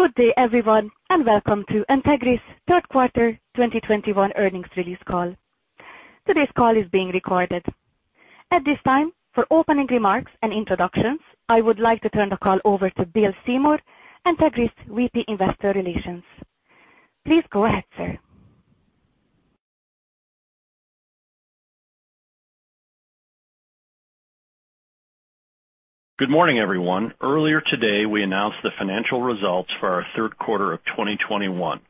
Good day, everyone, and welcome to Entegris Third Quarter 2021 Earnings Release Call. Today's call is being recorded. At this time, for opening remarks and introductions, I would like to turn the call over to Bill Seymour, Entegris VP Investor Relations. Please go ahead, sir. Good morning, everyone. Earlier today, we announced the financial results for our third quarter of 2021.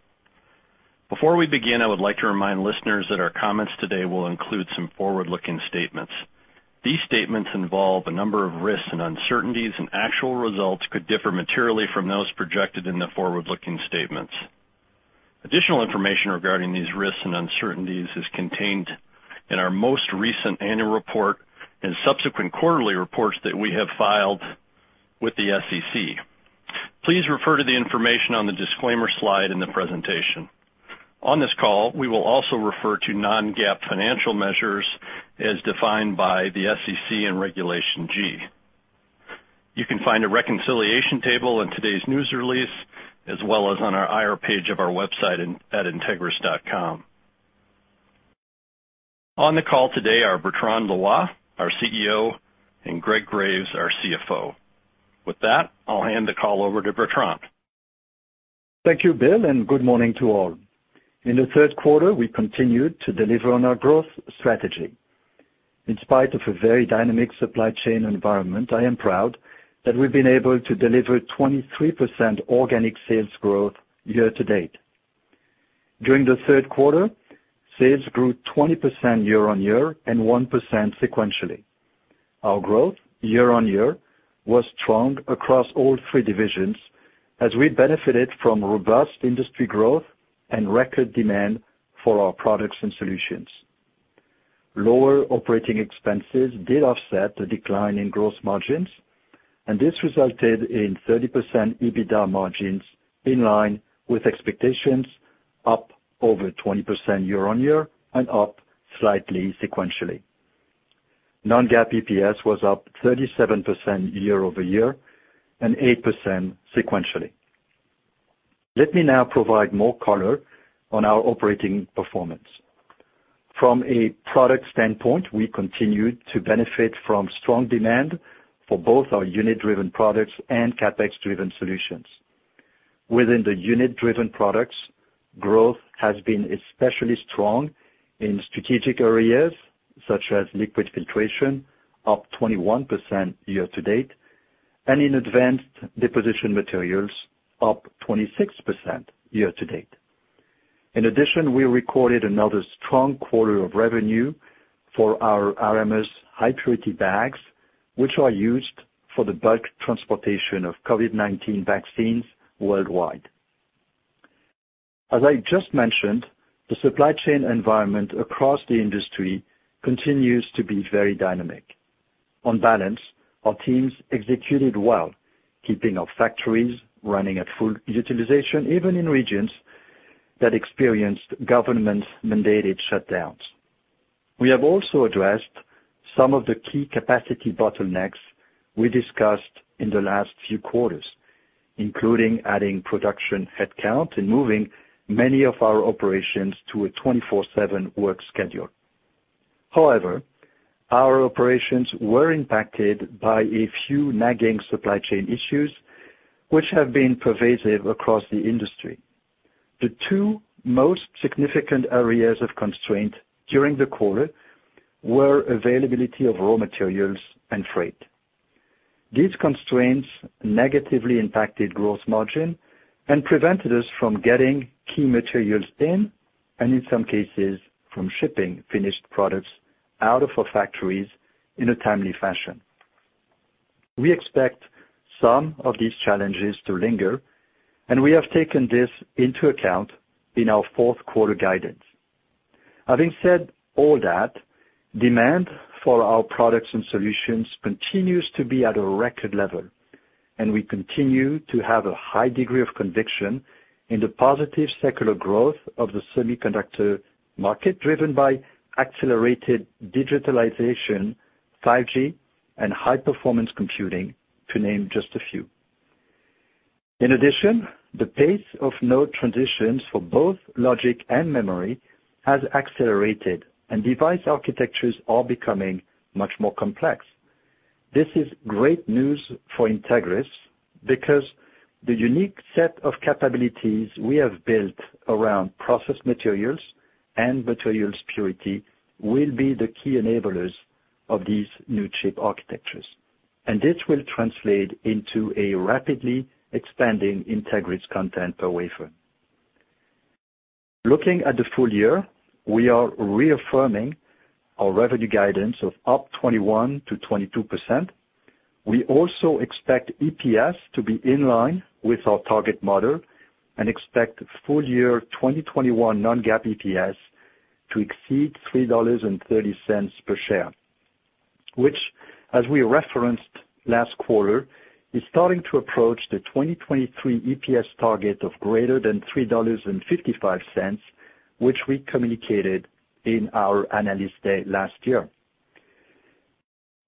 Before we begin, I would like to remind listeners that our comments today will include some forward-looking statements. These statements involve a number of risks and uncertainties, and actual results could differ materially from those projected in the forward-looking statements. Additional information regarding these risks and uncertainties is contained in our most recent annual report and subsequent quarterly reports that we have filed with the SEC. Please refer to the information on the disclaimer slide in the presentation. On this call, we will also refer to non-GAAP financial measures as defined by the SEC in Regulation G. You can find a reconciliation table in today's news release, as well as on our IR page of our website at entegris.com. On the call today are Bertrand Loy, our CEO, and Greg Graves, our CFO. With that, I'll hand the call over to Bertrand. Thank you, Bill, and good morning to all. In the third quarter, we continued to deliver on our growth strategy. In spite of a very dynamic supply chain environment, I am proud that we've been able to deliver 23% organic sales growth year-to-date. During the third quarter, sales grew 20% year-over-year and 1% sequentially. Our growth year-over-year was strong across all three divisions as we benefited from robust industry growth and record demand for our products and solutions. Lower operating expenses did offset the decline in gross margins, and this resulted in 30% EBITDA margins in line with expectations up over 20% year-over-year and up slightly sequentially. Non-GAAP EPS was up 37% year-over-year and 8% sequentially. Let me now provide more color on our operating performance. From a product standpoint, we continued to benefit from strong demand for both our unit-driven products and CapEx-driven solutions. Within the unit-driven products, growth has been especially strong in strategic areas such as Liquid Filtration, up 21% year-to-date, and in Advanced Deposition Materials, up 26% year-to-date. In addition, we recorded another strong quarter of revenue for our Aramus high-purity bags, which are used for the bulk transportation of COVID-19 vaccines worldwide. As I just mentioned, the supply chain environment across the industry continues to be very dynamic. On balance, our teams executed well, keeping our factories running at full utilization, even in regions that experienced government-mandated shutdowns. We have also addressed some of the key capacity bottlenecks we discussed in the last few quarters, including adding production headcount and moving many of our operations to a 24x7 work schedule. However, our operations were impacted by a few nagging supply chain issues which have been pervasive across the industry. The two most significant areas of constraint during the quarter were availability of raw materials and freight. These constraints negatively impacted gross margin and prevented us from getting key materials in, and in some cases, from shipping finished products out of our factories in a timely fashion. We expect some of these challenges to linger, and we have taken this into account in our fourth quarter guidance. Having said all that, demand for our products and solutions continues to be at a record level, and we continue to have a high degree of conviction in the positive secular growth of the semiconductor market, driven by accelerated digitalization, 5G, and high-performance computing, to name just a few. In addition, the pace of node transitions for both logic and memory has accelerated, and device architectures are becoming much more complex. This is great news for Entegris because the unique set of capabilities we have built around process materials and materials purity will be the key enablers of these new chip architectures, and this will translate into a rapidly expanding Entegris content per wafer. Looking at the full year, we are reaffirming our revenue guidance of up 21% to 22%. We also expect EPS to be in line with our target model and expect full year 2021 non-GAAP EPS to exceed $3.30 per share, which, as we referenced last quarter, is starting to approach the 2023 EPS target of greater than $3.55, which we communicated in our Analyst Day last year.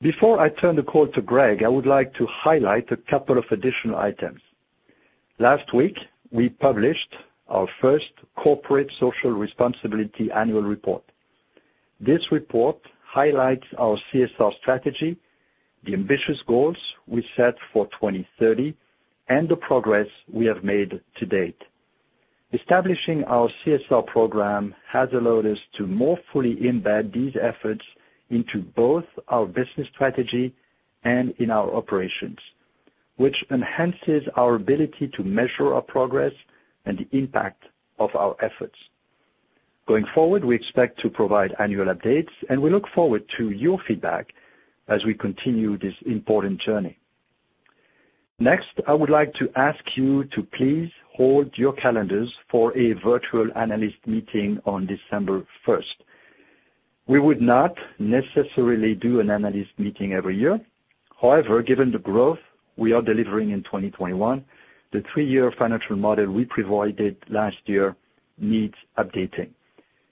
Before I turn the call to Greg, I would like to highlight a couple of additional items. Last week, we published our first Corporate Social Responsibility Annual Report. This report highlights our CSR strategy, the ambitious goals we set for 2030, and the progress we have made to date. Establishing our CSR program has allowed us to more fully embed these efforts into both our business strategy and in our operations, which enhances our ability to measure our progress and the impact of our efforts. Going forward, we expect to provide annual updates, and we look forward to your feedback as we continue this important journey. Next, I would like to ask you to please hold your calendars for a virtual Analyst Meeting on December first. We would not necessarily do an Analyst Meeting every year. However, given the growth we are delivering in 2021, the three-year financial model we provided last year needs updating.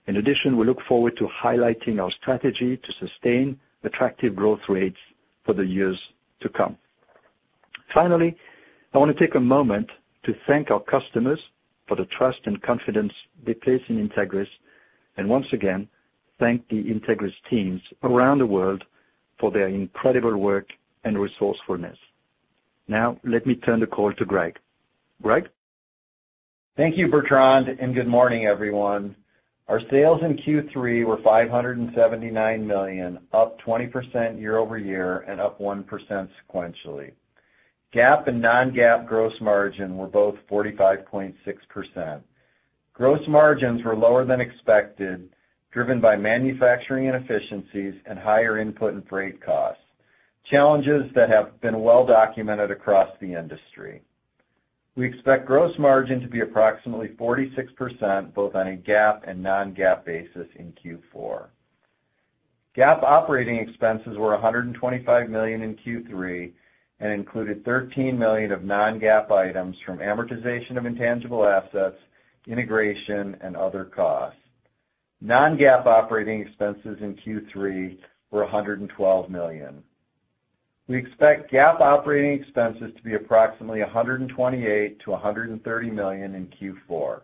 In addition, we look forward to highlighting our strategy to sustain attractive growth rates for the years to come. Finally, I want to take a moment to thank our customers for the trust and confidence they place in Entegris. Once again, thank the Entegris teams around the world for their incredible work and resourcefulness. Now, let me turn the call to Greg. Greg? Thank you, Bertrand, and good morning, everyone. Our sales in Q3 were $579 million, up 20% year-over-year and up 1% sequentially. GAAP and non-GAAP gross margin were both 45.6%. Gross margins were lower than expected, driven by manufacturing inefficiencies and higher input and freight costs, challenges that have been well documented across the industry. We expect gross margin to be approximately 46%, both on a GAAP and non-GAAP basis in Q4. GAAP operating expenses were $125 million in Q3 and included $13 million of non-GAAP items from amortization of intangible assets, integration, and other costs. Non-GAAP operating expenses in Q3 were $112 million. We expect GAAP operating expenses to be approximately $128 million-$130 million in Q4.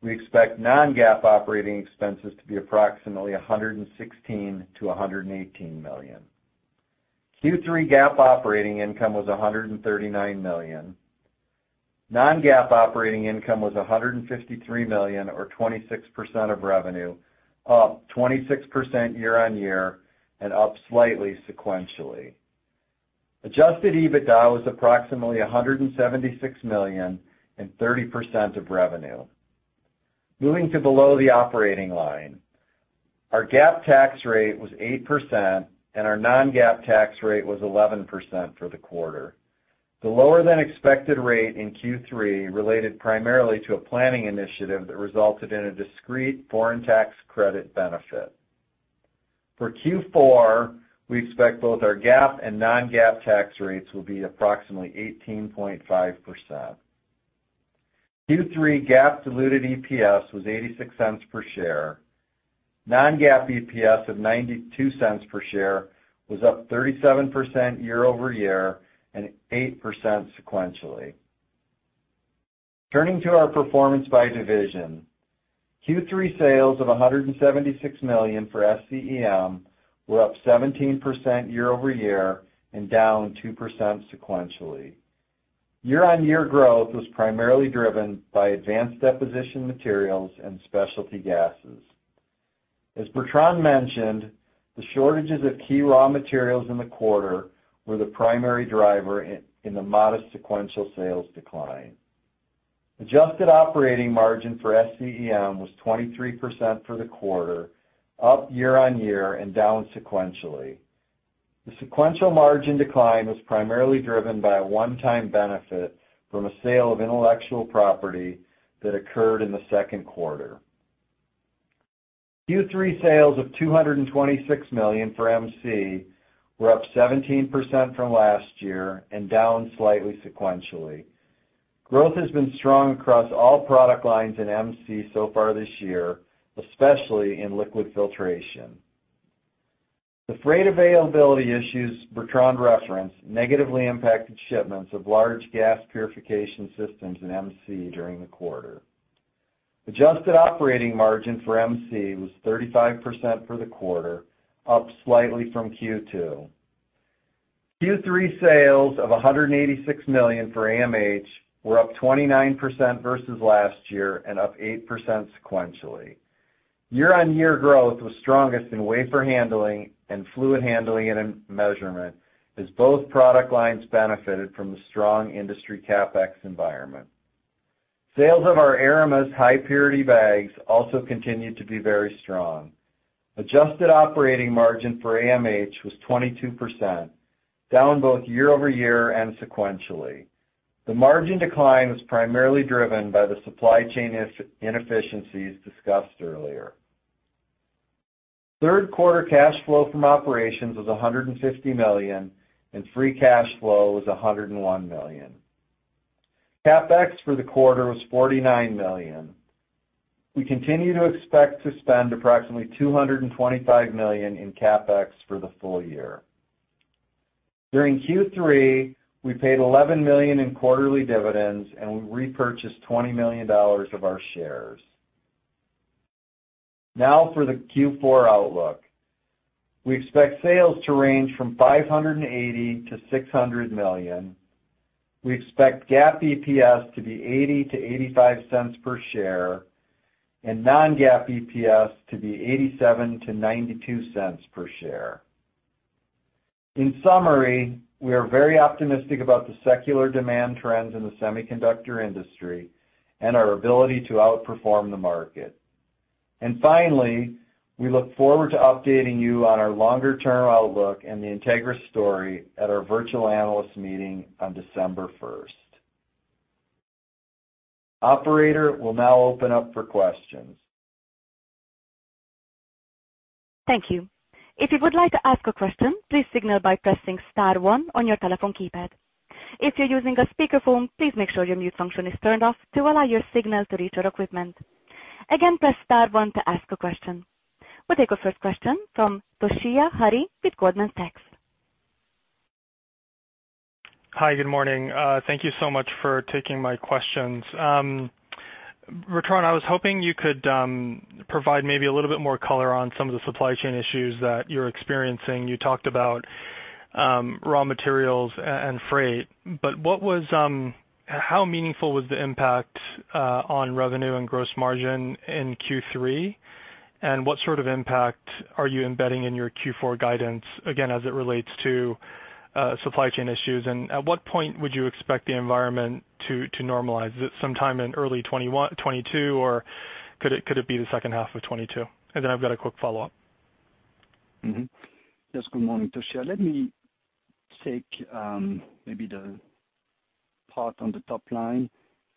We expect non-GAAP operating expenses to be approximately $116 million-$118 million. Q3 GAAP operating income was $139 million. Non-GAAP operating income was $153 million or 26% of revenue, up 26% year-on-year and up slightly sequentially. Adjusted EBITDA was approximately $176 million and 30% of revenue. Moving to below the operating line. Our GAAP tax rate was 8%, and our non-GAAP tax rate was 11% for the quarter. The lower than expected rate in Q3 related primarily to a planning initiative that resulted in a discrete foreign tax credit benefit. For Q4, we expect both our GAAP and non-GAAP tax rates will be approximately 18.5%. Q3 GAAP diluted EPS was $0.86 per share. Non-GAAP EPS of $0.92 per share was up 37% year-over-year and 8% sequentially. Turning to our performance by division. Q3 sales of $176 million for SCEM were up 17% year-over-year and down 2% sequentially. Year-on-year growth was primarily driven by Advanced Deposition Materials and Specialty Gases. As Bertrand mentioned, the shortages of key raw materials in the quarter were the primary driver in the modest sequential sales decline. Adjusted operating margin for SCEM was 23% for the quarter, up year-on-year and down sequentially. The sequential margin decline was primarily driven by a one-time benefit from a sale of intellectual property that occurred in the second quarter. Q3 sales of $226 million for MC were up 17% from last year and down slightly sequentially. Growth has been strong across all product lines in MC so far this year, especially in liquid filtration. The freight availability issues Bertrand referenced negatively impacted shipments of large gas purification systems in MC during the quarter. Adjusted operating margin for MC was 35% for the quarter, up slightly from Q2. Q3 sales of $186 million for AMH were up 29% versus last year and up 8% sequentially. Year-on-year growth was strongest in wafer handling and fluid handling and measurement as both product lines benefited from the strong industry CapEx environment. Sales of our Aramus high purity bags also continued to be very strong. Adjusted operating margin for AMH was 22%, down both year-over-year and sequentially. The margin decline was primarily driven by the supply chain inefficiencies discussed earlier. Third quarter cash flow from operations was $150 million, and free cash flow was $101 million. CapEx for the quarter was $49 million. We continue to expect to spend approximately $225 million in CapEx for the full year. During Q3, we paid $11 million in quarterly dividends, and we repurchased $20 million of our shares. Now for the Q4 outlook. We expect sales to range from $580 million-$600 million. We expect GAAP EPS to be $0.80-$0.85 per share and non-GAAP EPS to be $0.87-$0.92 per share. In summary, we are very optimistic about the secular demand trends in the semiconductor industry and our ability to outperform the market. Finally, we look forward to updating you on our longer-term outlook and the Entegris story at our virtual Analyst Meeting on December 1. Operator, we'll now open up for questions. Thank you. If you would like to ask a question, please signal by pressing star one on your telephone keypad. If you're using a speakerphone, please make sure your mute function is turned off to allow your signal to reach our equipment. Again, press star one to ask a question. We'll take our first question from Toshiya Hari with Goldman Sachs. Hi, good morning. Thank you so much for taking my questions. Bertrand, I was hoping you could provide maybe a little bit more color on some of the supply chain issues that you're experiencing. You talked about raw materials and freight, but how meaningful was the impact on revenue and gross margin in Q3? And what sort of impact are you embedding in your Q4 guidance, again, as it relates to supply chain issues? And at what point would you expect the environment to normalize? Is it sometime in early 2021-2022, or could it be the second half of 2022? And then I've got a quick follow-up. Yes, good morning, Toshiya. Let me take maybe the part on the top line,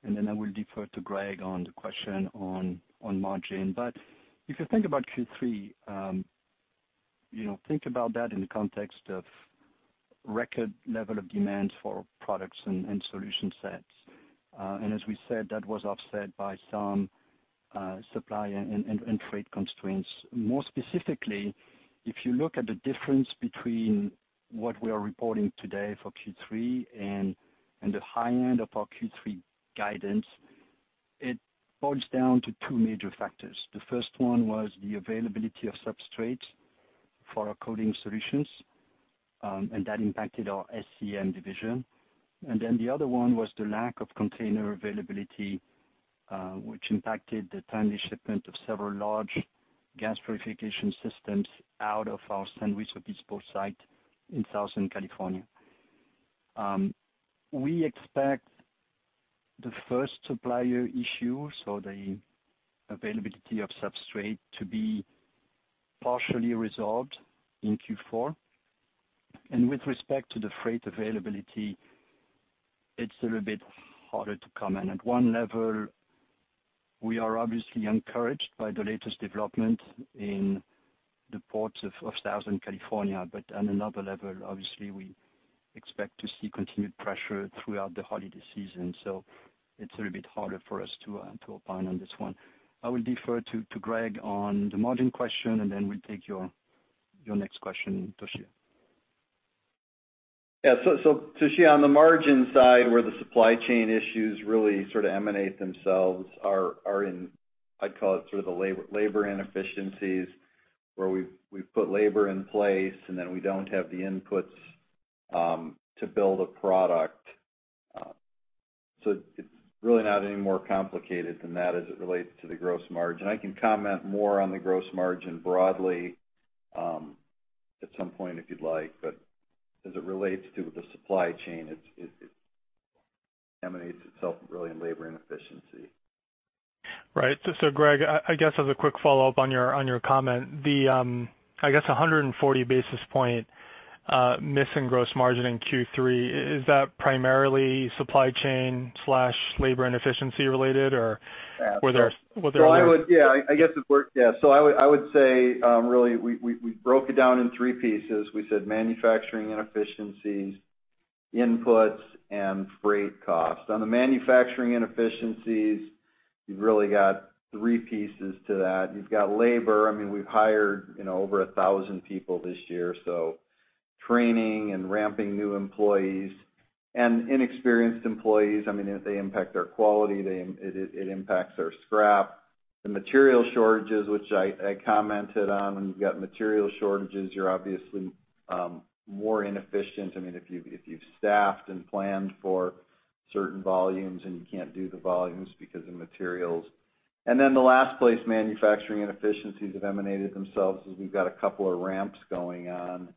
and then I will defer to Greg on the question on margin. If you think about Q3, you know, think about that in the context of record level of demand for products and solution sets. And as we said, that was offset by some supply and trade constraints. More specifically, if you look at the difference between what we are reporting today for Q3 and the high end of our Q3 guidance, it boils down to two major factors. The first one was the availability of substrates for our coating solutions, and that impacted our SCEM division. Then the other one was the lack of container availability, which impacted the timely shipment of several large Gas Purification Systems out of our San Luis Obispo site in Southern California. We expect the first supplier issue, so the availability of substrate, to be partially resolved in Q4. With respect to the freight availability, it's a little bit harder to comment. At one level, we are obviously encouraged by the latest development in the ports of Southern California, but on another level, obviously, we expect to see continued pressure throughout the holiday season. It's a little bit harder for us to opine on this one. I will defer to Greg on the margin question, and then we'll take your next question, Toshiya. Yeah. Toshiya, on the margin side, where the supply chain issues really sort of manifest themselves are in- I'd call it sort of the labor inefficiencies, where we've put labor in place, and then we don't have the inputs to build a product. It's really not any more complicated than that as it relates to the gross margin. I can comment more on the gross margin broadly at some point if you'd like. As it relates to the supply chain, it manifests itself really in labor inefficiency. Right. Greg, I guess as a quick follow-up on your comment, the, I guess, 140 basis points missing gross margin in Q3, is that primarily supply chain/labor inefficiency related, or were there- were there- I would say really we broke it down in three pieces. We said manufacturing inefficiencies, inputs, and freight costs. On the manufacturing inefficiencies, you've really got three pieces to that. You've got labor. I mean, we've hired, you know, over 1,000 people this year, so training and ramping new employees and inexperienced employees, I mean, they impact our quality. It impacts our scrap. The material shortages, which I commented on. When you've got material shortages, you're obviously more inefficient. I mean, if you've staffed and planned for certain volumes and you can't do the volumes because of materials. The last place manufacturing inefficiencies have manifested themselves is we've got a couple of ramps going on.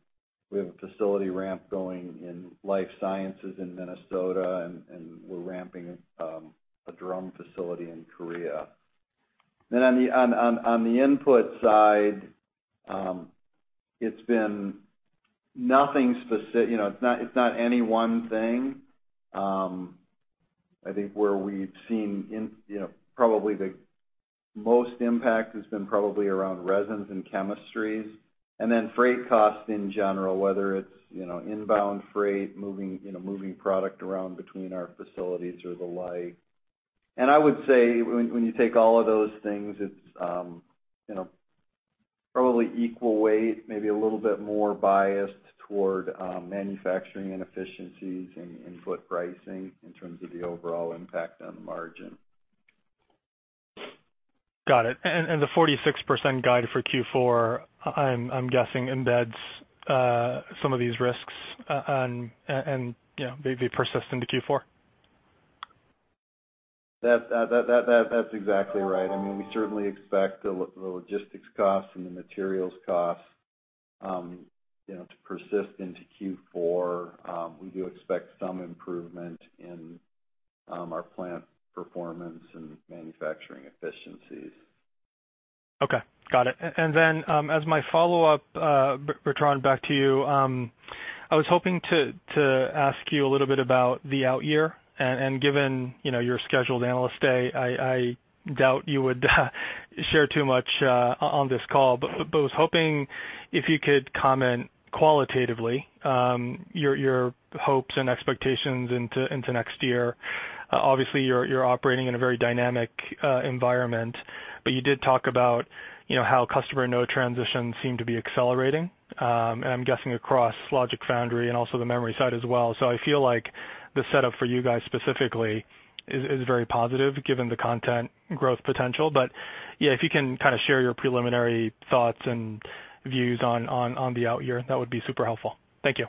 We have a facility ramp going in life sciences in Minnesota and we're ramping a drum facility in Korea. On the input side, it's been nothing specific. You know, it's not any one thing. I think where we've seen, you know, probably the- most impact has been probably around resins and chemistries and then freight costs in general, whether it's, you know, inbound freight, you know, moving product around between our facilities or the like. I would say when you take all of those things, it's, you know, probably equal weight, maybe a little bit more biased toward manufacturing inefficiencies and input pricing in terms of the overall impact on the margin. Got it. The 46% guide for Q4, I'm guessing embeds some of these risks, and you know, maybe persist into Q4? That's exactly right. I mean, we certainly expect the logistics costs and the materials costs, you know, to persist into Q4. We do expect some improvement in our plant performance and manufacturing efficiencies. Okay, got it. As my follow-up, Bertrand, back to you, I was hoping to ask you a little bit about the out year and given your scheduled Analyst Day, I doubt you would share too much on this call, but was hoping if you could comment qualitatively your hopes and expectations into next year. Obviously, you're operating in a very dynamic environment, but you did talk about you know how customer node transitions seem to be accelerating, and I'm guessing across logic foundry and also the memory side as well. I feel like the setup for you guys specifically is very positive given the content growth potential. Yeah, if you can kind of share your preliminary thoughts and views on the out year, that would be super helpful. Thank you.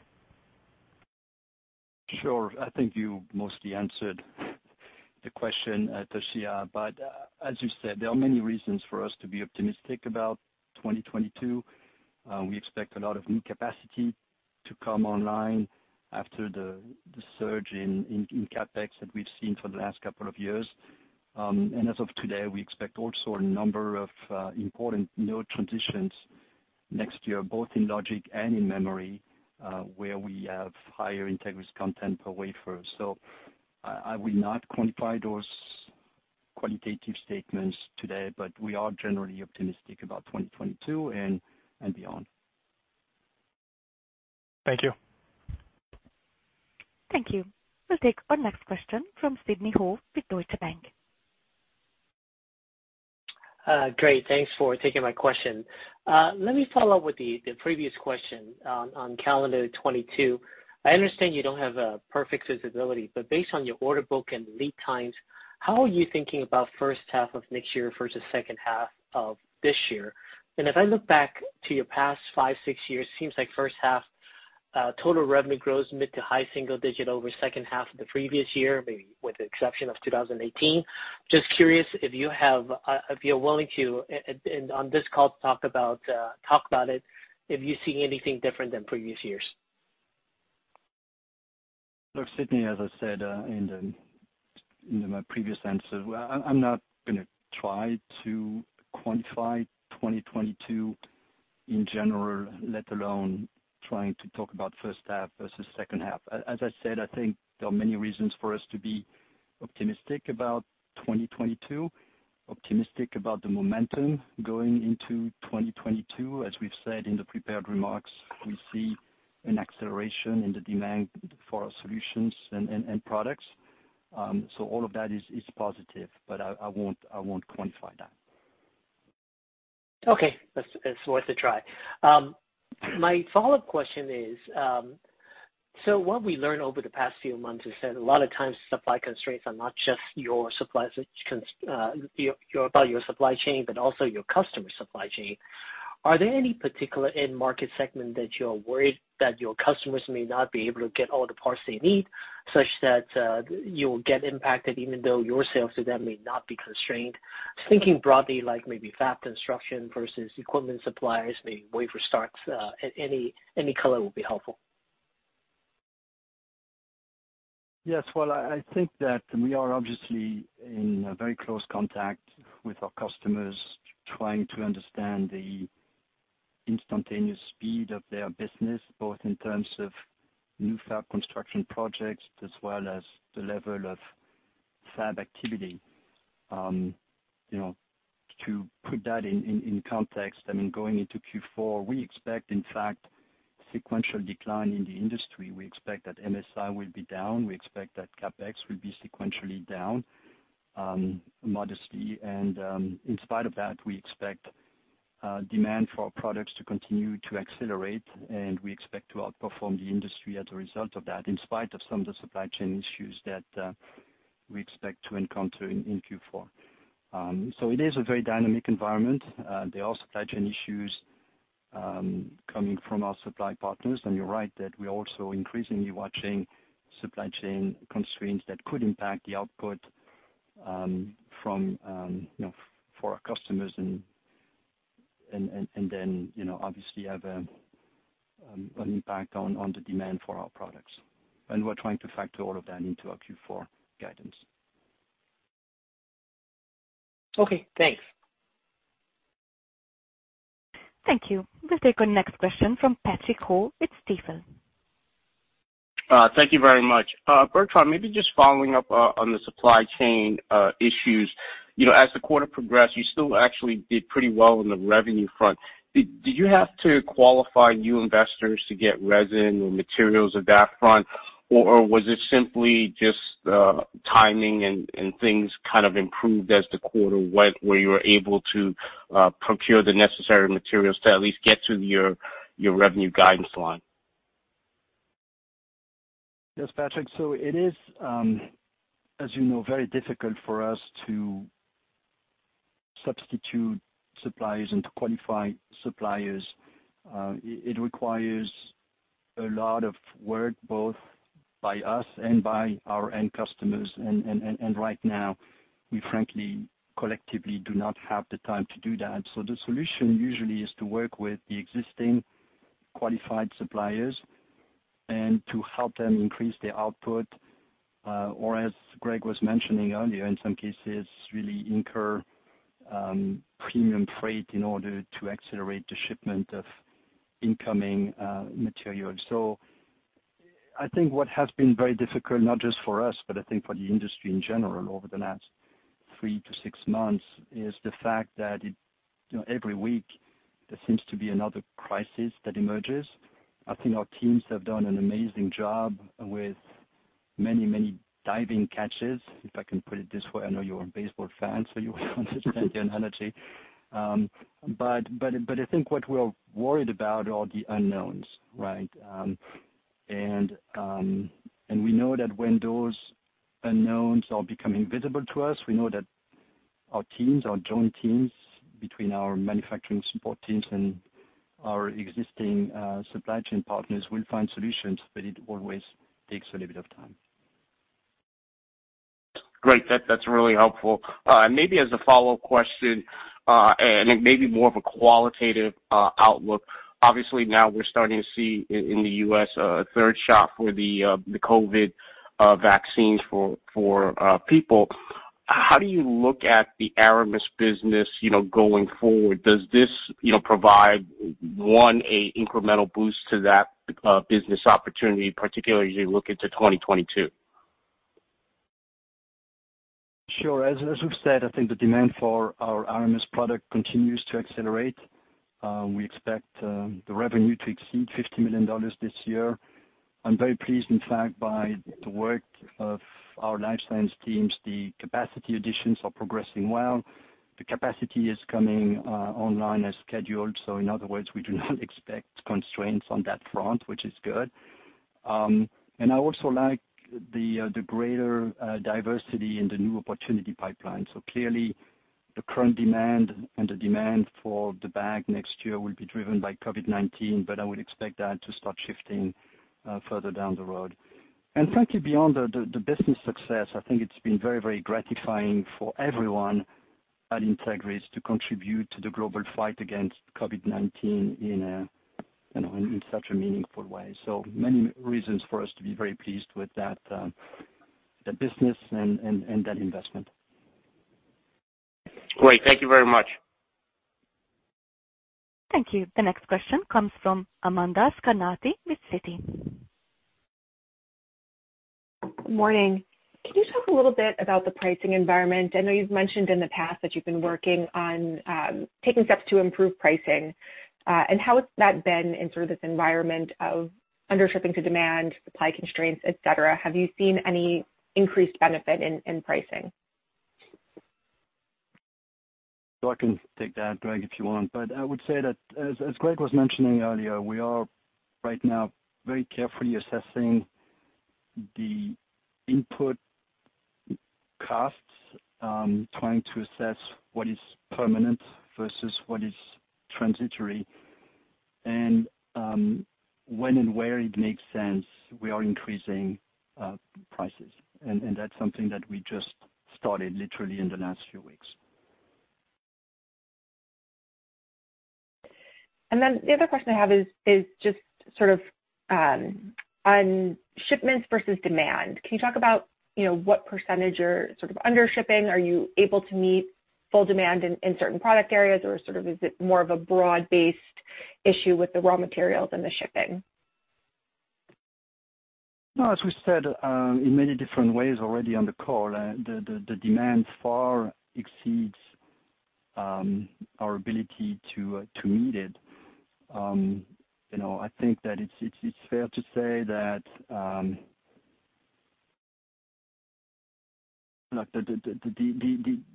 Sure. I think you mostly answered the question, Toshiya. As you said, there are many reasons for us to be optimistic about 2022. We expect a lot of new capacity to come online after the surge in CapEx that we've seen for the last couple of years. As of today, we expect also a number of important node transitions next year, both in logic and in memory, where we have higher Entegris content per wafer. I will not quantify those qualitative statements today, but we are generally optimistic about 2022 and beyond. Thank you. Thank you. We'll take our next question from Sidney Ho with Deutsche Bank. Great. Thanks for taking my question. Let me follow up with the previous question on calendar 2022. I understand you don't have perfect visibility, but based on your order book and lead times, how are you thinking about first half of next year versus second half of this year? If I look back to your past five, six years, it seems like first half total revenue grows mid to high-single-digit % over second half of the previous year, maybe with the exception of 2018. Just curious if you're willing to, and on this call, talk about it, if you see anything different than previous years? Look, Sidney, as I said in my previous answer, well, I'm not gonna try to quantify 2022 in general, let alone trying to talk about first half versus second half. As I said, I think there are many reasons for us to be optimistic about 2022, optimistic about the momentum going into 2022. As we've said in the prepared remarks, we see an acceleration in the demand for our solutions and products. So all of that is positive, but I won't quantify that. Okay. That's it- it's worth a try. My follow-up question is, what we learned over the past few months is that a lot of times supply constraints are not just your suppliers, your supply chain, but also your customer supply chain. Are there any particular end market segment that you are worried that your customers may not be able to get all the parts they need such that you'll get impacted even though your sales to them may not be constrained? Just thinking broadly, like maybe fab construction versus equipment suppliers, maybe wafer starts, any color will be helpful. Yes. Well, I think that we are obviously in a very close contact with our customers trying to understand the instantaneous speed of their business, both in terms of new fab construction projects, as well as the level of fab activity. You know, to put that in context, I mean, going into Q4, we expect, in fact, sequential decline in the industry. We expect that MSI will be down. We expect that CapEx will be sequentially down, modestly. In spite of that, we expect demand for our products to continue to accelerate, and we expect to outperform the industry as a result of that, in spite of some of the supply chain issues that we expect to encounter in Q4. It is a very dynamic environment. There are supply chain issues coming from our supply partners, and you're right that we're also increasingly watching supply chain constraints that could impact the output from you know for our customers and then you know obviously have an impact on the demand for our products. We're trying to factor all of that into our Q4 guidance. Okay, thanks. Thank you. We'll take our next question from Patrick Ho with Stifel. Thank you very much. Bertrand, maybe just following up on the supply chain issues. You know, as the quarter progressed, you still actually did pretty well on the revenue front. Did you have to qualify new suppliers to get resin or materials on that front? Or was it simply just timing and things kind of improved as the quarter went where you were able to procure the necessary materials to at least get to your revenue guidance line? Yes, Patrick. It is, as you know, very difficult for us to substitute suppliers and to qualify suppliers. It requires a lot of work, both by us and by our end customers. Right now, we frankly, collectively do not have the time to do that. The solution usually is to work with the existing qualified suppliers and to help them increase their output, or as Greg was mentioning earlier, in some cases really incur premium freight in order to accelerate the shipment of incoming material. I think what has been very difficult, not just for us, but I think for the industry in general over the last three-six months, is the fact that you know, every week there seems to be another crisis that emerges. I think our teams have done an amazing job with many, many diving catches, if I can put it this way. I know you're a baseball fan, so you will understand the analogy. I think what we're worried about are the unknowns, right? We know that when those unknowns are becoming visible to us, we know that our teams, our joint teams between our manufacturing support teams and our existing supply chain partners will find solutions, but it always takes a little bit of time. Great. That's really helpful. Maybe as a follow-up question, it may be more of a qualitative outlook. Obviously, now we're starting to see in the U.S. a third shot for the COVID vaccines for people. How do you look at the Aramus business, you know, going forward? Does this, you know, provide an incremental boost to that business opportunity, particularly as you look into 2022? Sure. As we've said, I think the demand for our Aramus product continues to accelerate. We expect the revenue to exceed $50 million this year. I'm very pleased, in fact, by the work of our life science teams. The capacity additions are progressing well. The capacity is coming online as scheduled. In other words, we do not expect constraints on that front, which is good. I also like the greater diversity in the new opportunity pipeline. Clearly the current demand and the demand for the bag next year will be driven by COVID-19, but I would expect that to start shifting further down the road. Frankly, beyond the business success, I think it's been very gratifying for everyone at Entegris to contribute to the global fight against COVID-19 in a, you know, in such a meaningful way. Many reasons for us to be very pleased with that, the business and that investment. Great. Thank you very much. Thank you. The next question comes from Amanda Scarnati with Citi. Morning. Can you talk a little bit about the pricing environment? I know you've mentioned in the past that you've been working on taking steps to improve pricing. How has that been in sort of this environment of under shipping to demand, supply constraints, et cetera? Have you seen any increased benefit in pricing? I can take that, Greg, if you want- but, I would say that as Greg was mentioning earlier, we are right now very carefully assessing the input costs, trying to assess what is permanent versus what is transitory. When and where it makes sense, we are increasing prices. That's something that we just started literally in the last few weeks. The other question I have is just sort of on shipments versus demand. Can you talk about, you know, what percentage you're sort of under shipping? Are you able to meet full demand in certain product areas, or sort of is it more of a broad-based issue with the raw materials and the shipping? No, as we said in many different ways already on the call, the demand far exceeds our ability to meet it. You know, I think that it's fair to say that like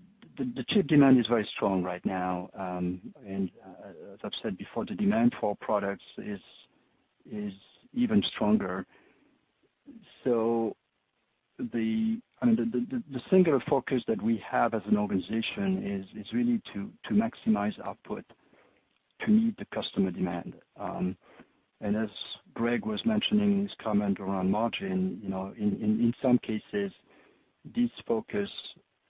the chip demand is very strong right now. As I've said before, the demand for our products is even stronger. I mean, the singular focus that we have as an organization is really to maximize output to meet the customer demand. As Greg was mentioning in his comment around margin, you know, in some cases, this focus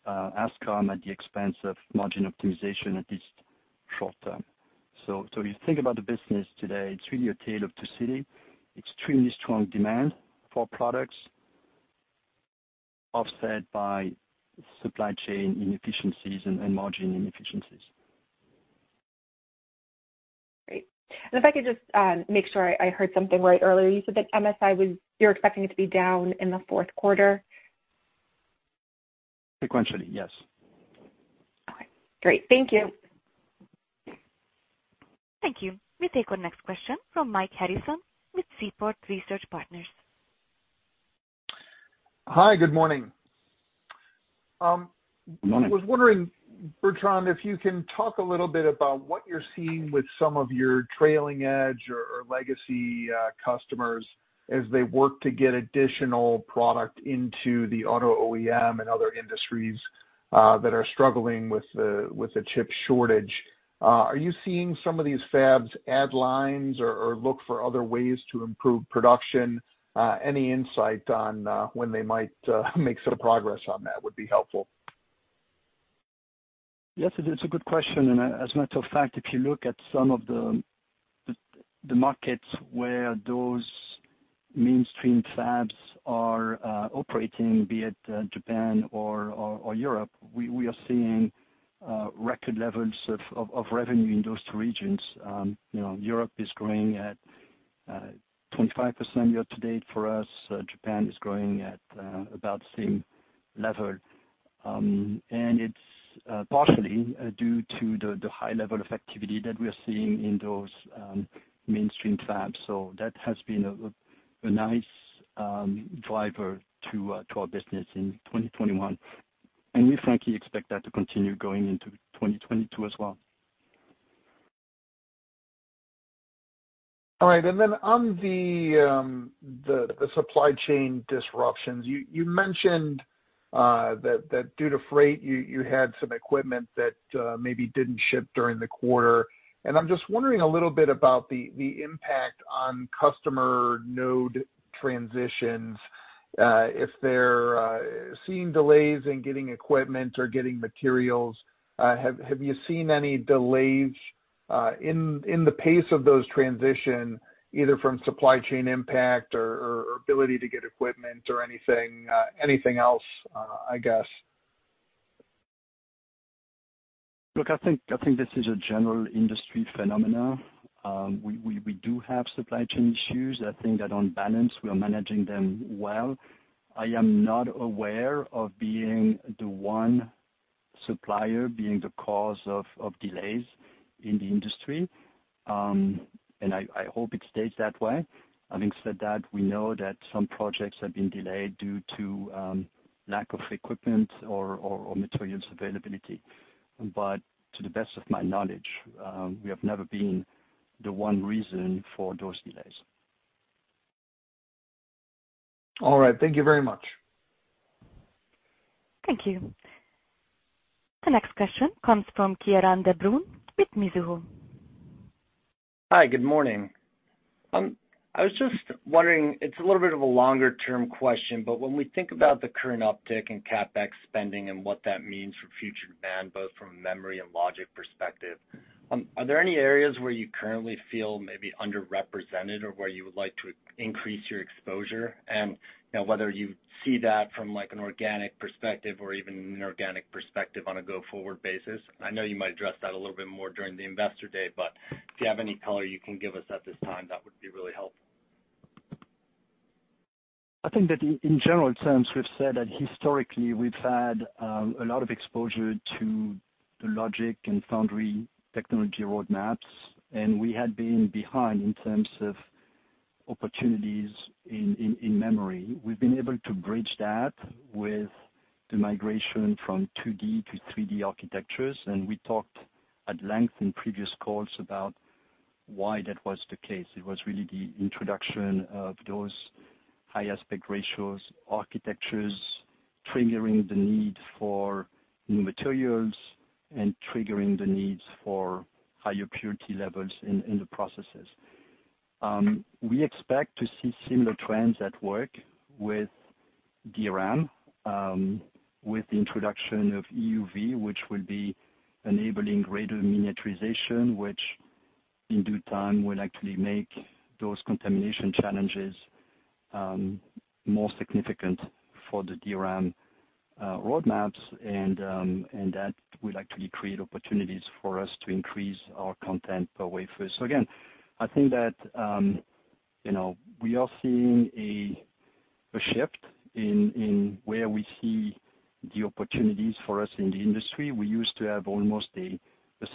has come at the expense of margin optimization, at least short term. If you think about the business today, it's really a tale of two cities, extremely strong demand for our products offset by supply chain inefficiencies and margin inefficiencies. Great. If I could just make sure I heard something right earlier. You said that MSI was, you're expecting it to be down in the fourth quarter? Sequentially, yes. Okay, great. Thank you. Thank you. We take our next question from Mike Harrison with Seaport Research Partners. Hi, good morning. Good morning. I was wondering, Bertrand, if you can talk a little bit about what you're seeing with some of your trailing edge or legacy customers as they work to get additional product into the auto OEM and other industries that are struggling with the chip shortage. Are you seeing some of these fabs add lines or look for other ways to improve production? Any insight on when they might make some progress on that would be helpful. Yes, it's a good question. As a matter of fact, if you look at some of the markets where those mainstream fabs are operating, be it Japan or Europe, we are seeing record levels of revenue in those two regions. You know, Europe is growing at 25% year-to-date for us. Japan is growing at about the same level. It's partially due to the high level of activity that we are seeing in those mainstream fabs. That has been a nice driver to our business in 2021. We frankly expect that to continue going into 2022 as well. All right. On the supply chain disruptions, you mentioned that due to freight, you had some equipment that maybe didn't ship during the quarter. I'm just wondering a little bit about the impact on customer node transitions, if they're seeing delays in getting equipment or getting materials, have you seen any delays in the pace of those transitions, either from supply chain impact or ability to get equipment or anything else, I guess? Look, I think this is a general industry phenomenon. We do have supply chain issues. I think that on balance, we are managing them well. I am not aware of being the one supplier being the cause of delays in the industry. I hope it stays that way. Having said that, we know that some projects have been delayed due to lack of equipment or materials availability. To the best of my knowledge, we have never been the one reason for those delays. All right. Thank you very much. Thank you. The next question comes from Kieran de Brun with Mizuho. Hi, good morning. I was just wondering, it's a little bit of a longer-term question, but when we think about the current uptick in CapEx spending and what that means for future demand, both from a memory and logic perspective, are there any areas where you currently feel maybe underrepresented or where you would like to increase your exposure? You know, whether you see that from like an organic perspective or even an inorganic perspective on a go-forward basis. I know you might address that a little bit more during the Investor Day, but if you have any color you can give us at this time, that would be really helpful. I think that in general terms, we've said that historically we've had a lot of exposure to the logic and foundry technology roadmaps, and we had been behind in terms of opportunities in memory. We've been able to bridge that with the migration from 2D to 3D architectures, and we talked at length in previous calls about why that was the case. It was really the introduction of those high aspect ratios, architectures triggering the need for new materials and triggering the needs for higher purity levels in the processes. We expect to see similar trends at work with DRAM with the introduction of EUV, which will be enabling greater miniaturization, which in due time will actually make those contamination challenges more significant for the DRAM roadmaps. That will actually create opportunities for us to increase our content per wafer. Again, I think that, you know, we are seeing a shift in where we see the opportunities for us in the industry. We used to have almost a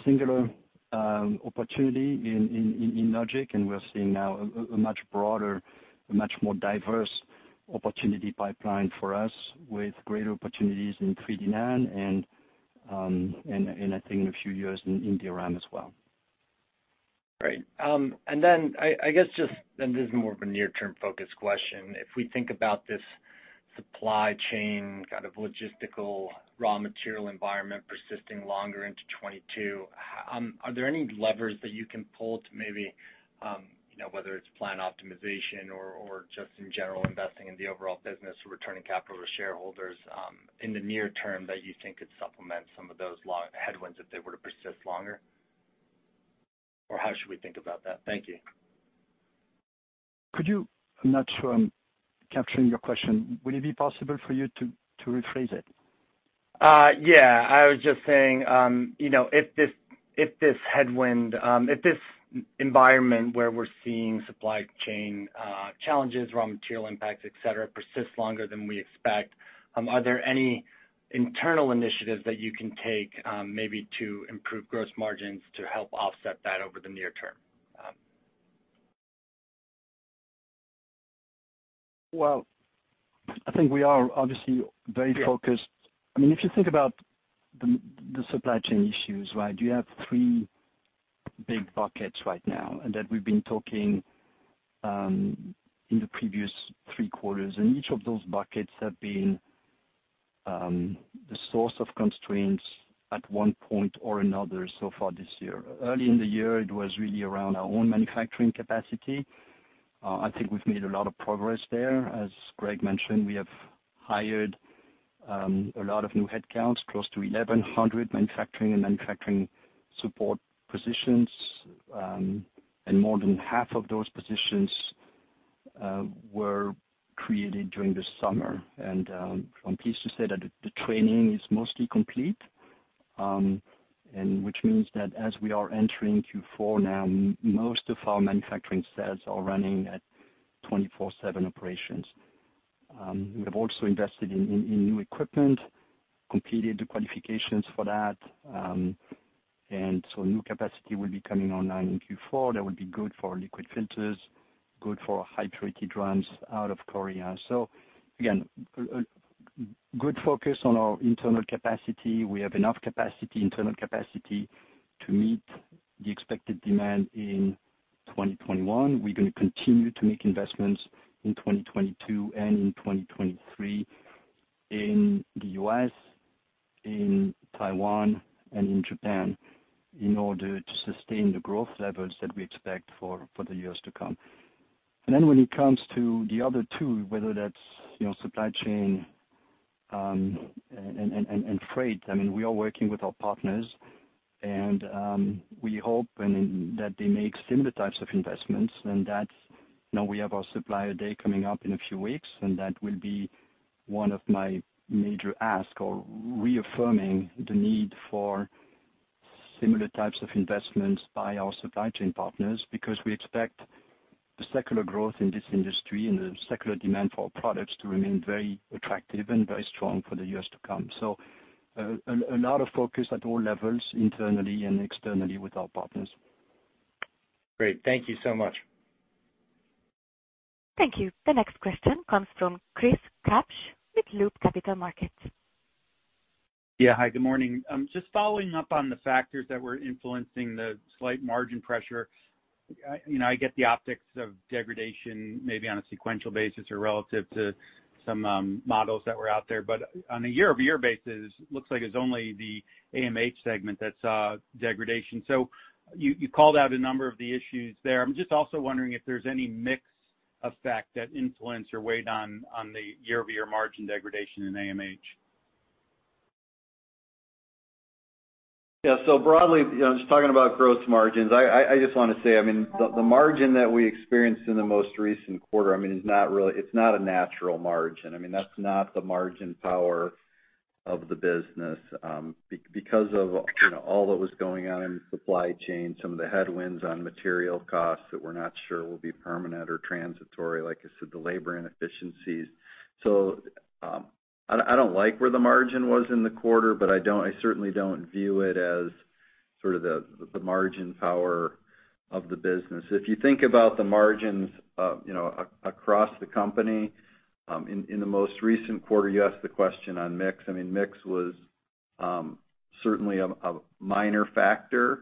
singular opportunity in logic, and we're seeing now a much broader, much more diverse opportunity pipeline for us with greater opportunities in 3D NAND and I think in a few years in DRAM as well. Great. I guess just- and this is more of a near-term focus question. If we think about this supply chain, kind of logistical, raw material environment persisting longer into 2022, are there any levers that you can pull to maybe, you know, whether it's plan optimization or just in general investing in the overall business, returning capital to shareholders, in the near term that you think could supplement some of those headwinds if they were to persist longer? How should we think about that? Thank you. I'm not sure I'm capturing your question- would it be possible for you to rephrase it? I was just saying, you know, if this environment where we're seeing supply chain challenges, raw material impacts, et cetera, persist longer than we expect, are there any internal initiatives that you can take, maybe to improve gross margins to help offset that over the near term? Well, I think we are obviously very focused. I mean, if you think about the supply chain issues, right? You have three big buckets right now, and that we've been talking in the previous three quarters, and each of those buckets have been the source of constraints at one point or another so far this year. Early in the year, it was really around our own manufacturing capacity. I think we've made a lot of progress there. As Greg mentioned, we have hired a lot of new headcounts, close to 1,100 manufacturing and manufacturing support positions, and more than half of those positions were created during the summer. I'm pleased to say that the training is mostly complete, and which means that as we are entering Q4 now, most of our manufacturing sites are running at 24x7 operations. We have also invested in new equipment, completed the qualifications for that, and so new capacity will be coming online in Q4. That will be good for liquid filters, good for high purity drums out of Korea. Again, a good focus on our internal capacity. We have enough capacity, internal capacity to meet the expected demand in 2021. We're gonna continue to make investments in 2022 and in 2023 in the U.S., in Taiwan, and in Japan in order to sustain the growth levels that we expect for the years to come. Then when it comes to the other two, whether that's, you know, supply chain and freight, I mean, we are working with our partners and we hope that they make similar types of investments. That's, you know, we have our Supplier Day coming up in a few weeks, and that will be one of my major ask or reaffirming the need for similar types of investments by our supply chain partners, because we expect the secular growth in this industry and the secular demand for our products to remain very attractive and very strong for the years to come. A lot of focus at all levels internally and externally with our partners. Great. Thank you so much. Thank you. The next question comes from Chris Kapsch with Loop Capital Markets. Yeah. Hi, good morning. Just following up on the factors that were influencing the slight margin pressure. I, you know, I get the optics of degradation maybe on a sequential basis or relative to some models that were out there. On a year-over-year basis, looks like it's only the AMH segment that saw degradation. You called out a number of the issues there. I'm just also wondering if there's any mix effect that influenced or weighed on the year-over-year margin degradation in AMH? Broadly, you know, just talking about gross margins, I just wanna say, I mean, the margin that we experienced in the most recent quarter, I mean, is not really a natural margin. I mean, that's not the margin power of the business, because of, you know, all that was going on in supply chain, some of the headwinds on material costs that we're not sure will be permanent or transitory, like you said, the labor inefficiencies. I don't like where the margin was in the quarter, but I certainly don't view it as sort of the margin power of the business. If you think about the margins, you know, across the company, in the most recent quarter, you asked the question on mix. I mean, mix was certainly a minor factor.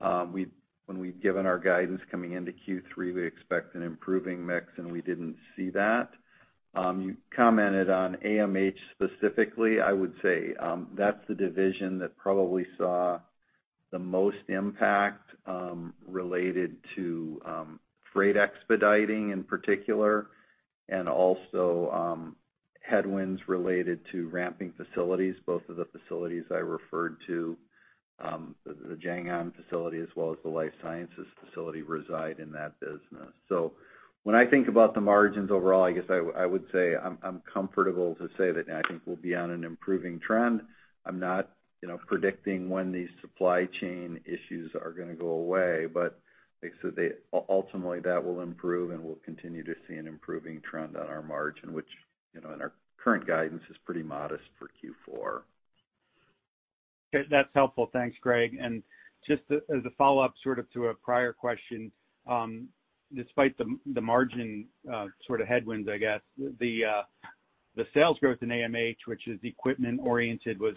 When we'd given our guidance coming into Q3, we expect an improving mix, and we didn't see that. You commented on AMH specifically. I would say, that's the division that probably saw the most impact, related to freight expediting in particular, and also headwinds related to ramping facilities, both of the facilities I referred to- the JangAn facility as well as the Life Sciences facility reside in that business. When I think about the margins overall, I guess I would say I'm comfortable to say that I think we'll be on an improving trend. I'm not, you know, predicting when these supply chain issues are gonna go away. Like I said, ultimately, that will improve, and we'll continue to see an improving trend on our margin, which, you know, in our current guidance is pretty modest for Q4. Okay, that's helpful. Thanks, Greg. Just as a follow-up sort of to a prior question, despite the margin sort of headwinds, I guess the sales growth in AMH, which is equipment-oriented, was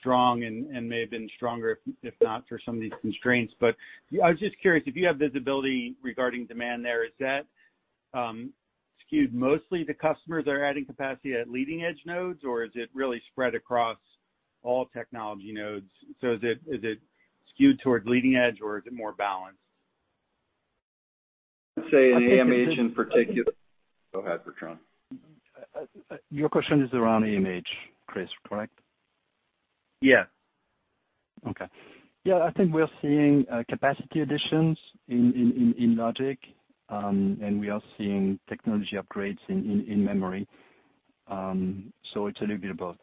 strong and may have been stronger if not for some of these constraints. I was just curious if you have visibility regarding demand there. Is that skewed mostly to customers that are adding capacity at leading edge nodes, or is it really spread across all technology nodes? Is it skewed towards leading edge or is it more balanced? Let's say an AMH in particular- Go ahead, Bertrand. Your question is around AMH, Chris, correct? Yeah. Okay. Yeah, I think we're seeing capacity additions in logic, and we are seeing technology upgrades in memory. It's a little bit of both.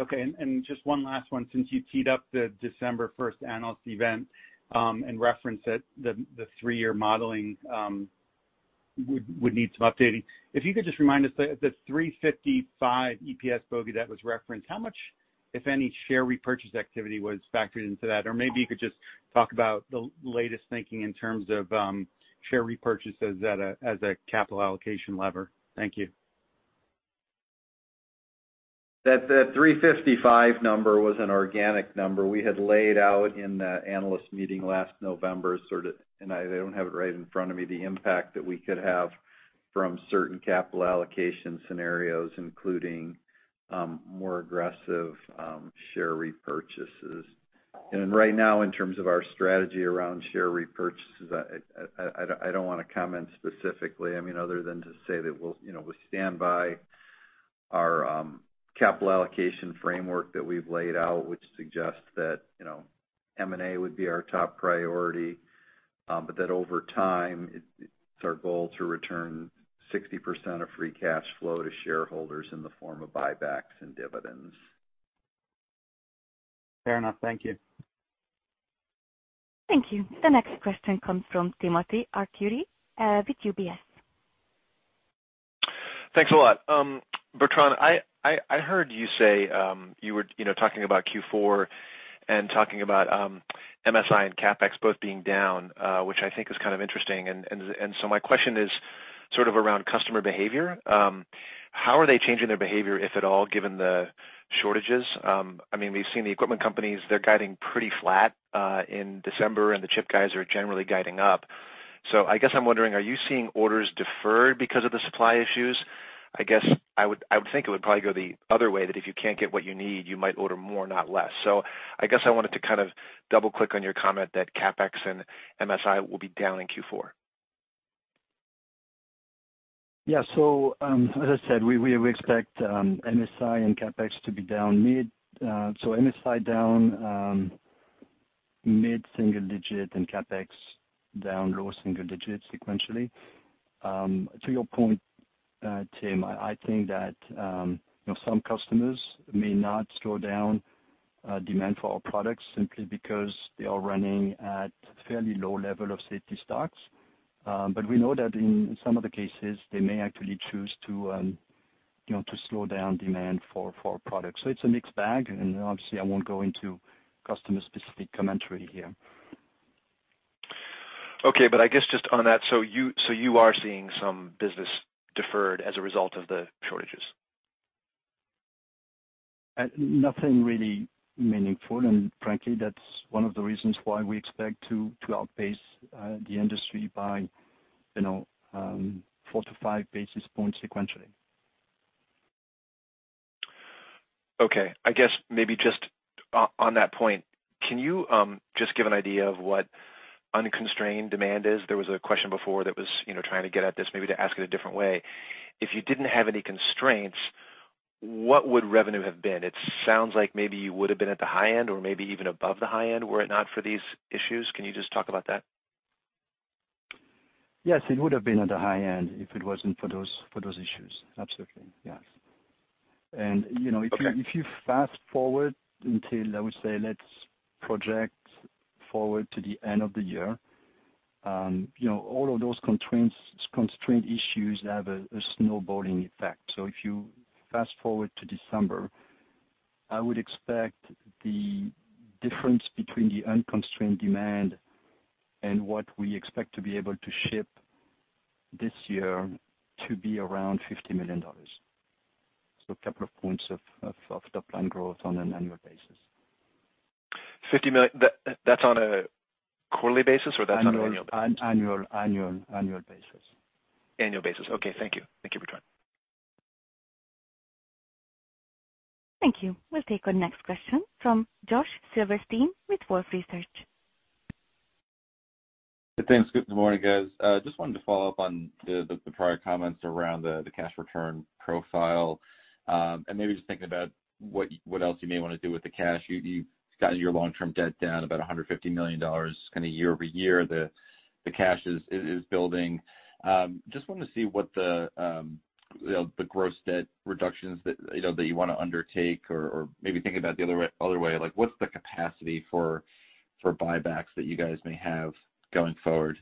Okay. Just one last one, since you teed up the December 1 Analyst Event, and referenced that the three-year modeling would need some updating. If you could just remind us the $3.55 EPS bogey that was referenced, how much, if any, share repurchase activity was factored into that? Or maybe you could just talk about the latest thinking in terms of share repurchases as a capital allocation lever. Thank you. That the $3.55 number was an organic number. We had laid out in the analyst meeting last November and I don't have it right in front of me, the impact that we could have from certain capital allocation scenarios, including more aggressive share repurchases. Right now, in terms of our strategy around share repurchases, I don't wanna comment specifically. I mean, other than to say that we'll, you know, we stand by our capital allocation framework that we've laid out, which suggests that, you know, M&A would be our top priority, but that over time, it's our goal to return 60% of free cash flow to shareholders in the form of buybacks and dividends. Fair enough. Thank you. Thank you. The next question comes from Timothy Arcuri with UBS. Thanks a lot. Bertrand, I heard you say, you know, talking about Q4 and talking about MSI and CapEx both being down, which I think is kind of interesting. My question is sort of around customer behavior. How are they changing their behavior, if at all, given the shortages? I mean, we've seen the equipment companies, they're guiding pretty flat in December, and the chip guys are generally guiding up. I guess I'm wondering, are you seeing orders deferred because of the supply issues? I guess I would think it would probably go the other way, that if you can't get what you need, you might order more, not less. I guess I wanted to kind of double-click on your comment that CapEx and MSI will be down in Q4. As I said, we expect MSI and CapEx to be down- so MSI down mid-single digit and CapEx down low single digits sequentially. To your point, Tim, I think that you know, some customers may not slow down demand for our products simply because they are running at fairly low level of safety stocks. We know that in some of the cases, they may actually choose to you know, to slow down demand for our products. It's a mixed bag, and obviously, I won't go into customer-specific commentary here. Okay. I guess just on that, so you are seeing some business deferred as a result of the shortages? Nothing really meaningful. Frankly, that's one of the reasons why we expect to outpace the industry by, you know, 4-5 basis points sequentially. Okay. I guess maybe just on that point, can you just give an idea of what unconstrained demand is? There was a question before that was, you know, trying to get at this, maybe to ask it a different way. If you didn't have any constraints, what would revenue have been? It sounds like maybe you would have been at the high end or maybe even above the high end, were it not for these issues. Can you just talk about that? Yes, it would have been at the high end if it wasn't for those issues. Absolutely. Yes. You know. Okay... If you fast-forward until, I would say, let's project forward to the end of the year, you know, all of those constraints, constraint issues have a snowballing effect. If you fast-forward to December, I would expect the difference between the unconstrained demand and what we expect to be able to ship this year to be around $50 million. A couple of points of top line growth on an annual basis. $ 50 million- that, that's on a quarterly basis or that's on an annual basis? Annual basis. Annual basis. Okay. Thank you. Thank you, Bertrand. Thank you. We'll take our next question from Josh Silverstein with Wolfe Research. Thanks. Good morning, guys. Just wanted to follow up on the prior comments around the cash return profile, and maybe just thinking about what else you may wanna do with the cash. You've gotten your long-term debt down about $150 million kind of year-over-year. The cash is building. Just wanted to see what the, you know, the gross debt reductions that, you know, that you wanna undertake or maybe think about the other way, like what's the capacity for buybacks that you guys may have going forward?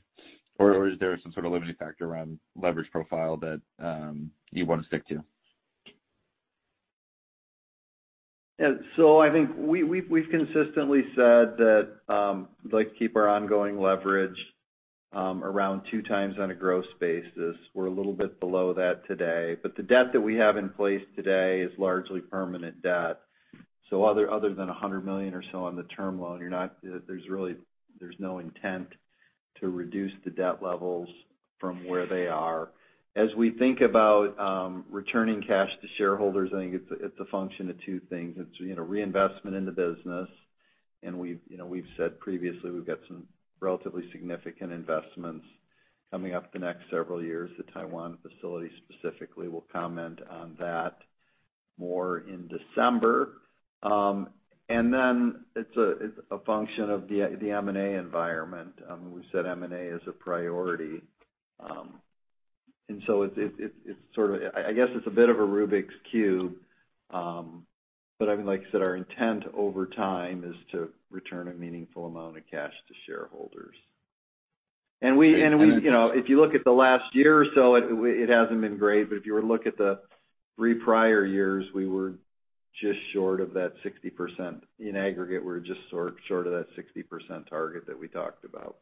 Or is there some sort of limiting factor around leverage profile that you wanna stick to? Yeah. I think we've consistently said that we'd like to keep our ongoing leverage around 2x on a gross basis. We're a little bit below that today. The debt that we have in place today is largely permanent debt. Other than $100 million or so on the term loan, there's really no intent to reduce the debt levels, from where they are. As we think about returning cash to shareholders, I think it's a function of two things. It's you know, reinvestment in the business and we've said previously we've got some relatively significant investments coming up the next several years. The Taiwan facility specifically, we'll comment on that more in December. And then it's a function of the M&A environment. We've said M&A is a priority. And so it's sort of, I guess, a bit of a Rubik's Cube. But I mean, like I said, our intent over time is to return a meaningful amount of cash to shareholders. We- Great. You know, if you look at the last year or so, it hasn't been great, but if you were to look at the three prior years, we were just short of that 60%. In aggregate, we're just short of that 60% target that we talked about.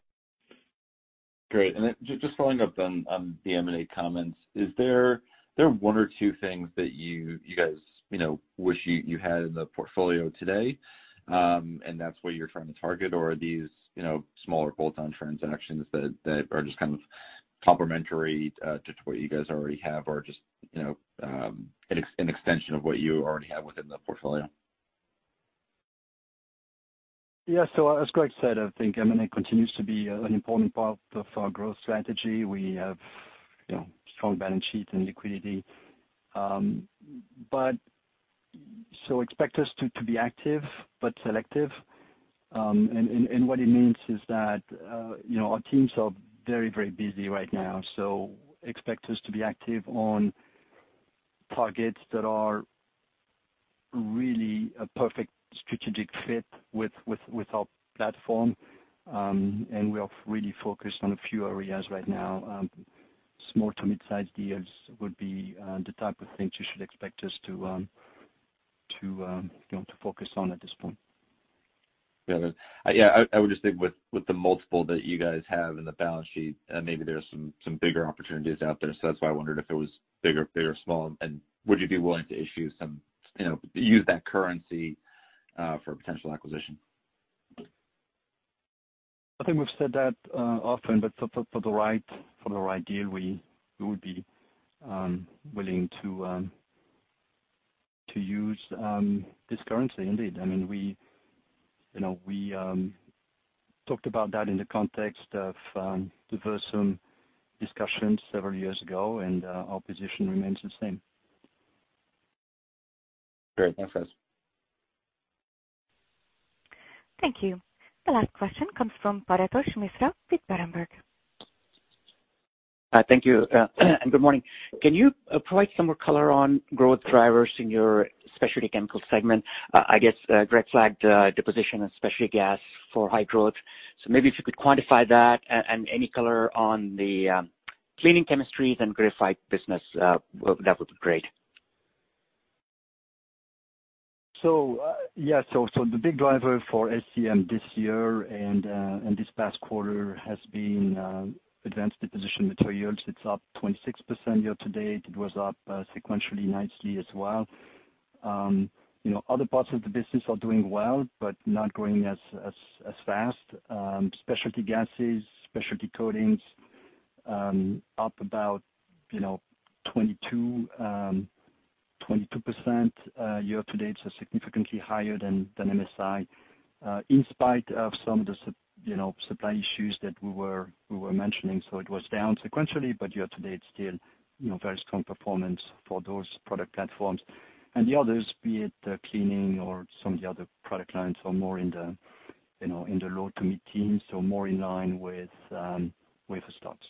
Great. Just following up on the M&A comments. Is there one or two things that you guys, you know, wish you had in the portfolio today, and that's what you're trying to target? Or are these, you know, smaller bolt-on transactions that are just kind of complementary to what you guys already have or just, you know, an extension of what you already have within the portfolio? Yeah. As Greg said, I think M&A continues to be an important part of our growth strategy. We have, you know, strong balance sheet and liquidity. Expect us to be active, but selective. What it means is that, you know, our teams are very busy right now, so expect us to be active on targets that are really a perfect strategic fit with our platform. We are really focused on a few areas right now. Small to mid-size deals would be the type of things you should expect us to you know to focus on at this point. Got it. Yeah, I would just think with the multiple that you guys have in the balance sheet, maybe there are some bigger opportunities out there. That's why I wondered if it was big or small, and would you be willing to issue some, you know, use that currency for potential acquisition? I think we've said that often, but for the right deal, we would be willing to use this currency indeed. I mean, we, you know, we talked about that in the context of Versum, some discussions several years ago, and our position remains the same. Great. Thanks, guys. Thank you. The last question comes from Paretosh Misra with Berenberg. Thank you, and good morning. Can you provide some more color on growth drivers in your specialty chemical segment? I guess Greg flagged deposition and specialty gas for high growth. Maybe if you could quantify that and any color on the cleaning chemistries and graphite business, that would be great. The big driver for SCEM this year and this past quarter has been Advanced Deposition Materials. It's up 26% year-to-date. It was up sequentially nicely as well. You know, other parts of the business are doing well, but not growing as fast. Specialty Gases, Specialty Coatings, up about, you know, 22% year-to-date. So, significantly higher than MSI, in spite of some of the supply issues that we were mentioning. It was down sequentially, but year to date still, you know, very strong performance for those product platforms. The others, be it cleaning or some of the other product lines, are more in the, you know, in the low to mid-teens, so more in line with wafer starts.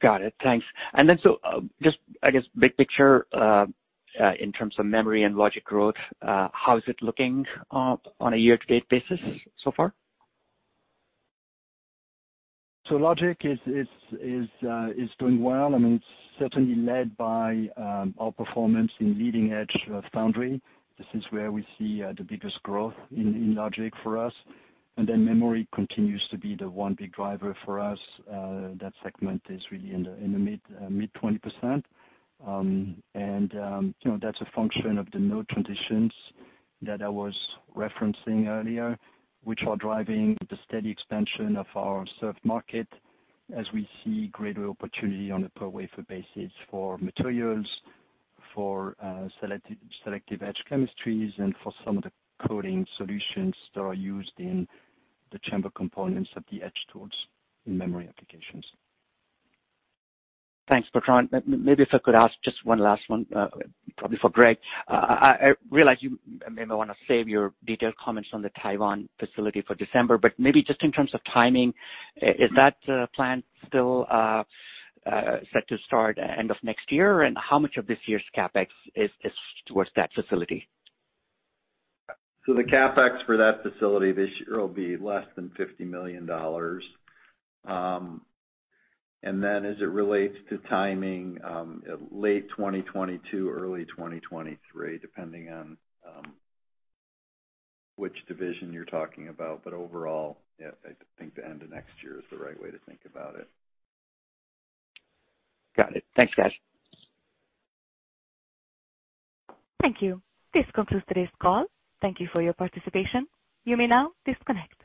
Got it. Thanks. Just, I guess, big picture, in terms of memory and logic growth, how is it looking on a year-to-date basis so far? Logic is doing well. I mean, it's certainly led by our performance in leading edge foundry. This is where we see the biggest growth in logic for us. Memory continues to be the one big driver for us. That segment is really in the mid 20%. You know, that's a function of the node transitions that I was referencing earlier, which are driving the steady expansion of our served market as we see greater opportunity on a per wafer basis for materials, for selective etch chemistries, and for some of the coating solutions that are used in the chamber components of the etch tools in memory applications. Thanks, Bertrand. Maybe if I could ask just one last one, probably for Greg. I realize you maybe wanna save your detailed comments on the Taiwan facility for December, but maybe just in terms of timing, is that plan still set to start end of next year? How much of this year's CapEx is towards that facility? The CapEx for that facility this year will be less than $50 million. As it relates to timing, late 2022, early 2023, depending on which division you're talking about. But overall, yeah, I think the end of next year is the right way to think about it. Got it. Thanks, guys. Thank you. This concludes today's call. Thank you for your participation. You may now disconnect.